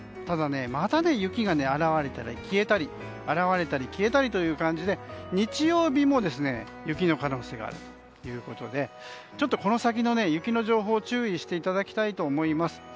ただまた雪が現れたり消えたりという感じで日曜日も雪の可能性があるということでこの先の雪の情報に注意していただきたいと思います。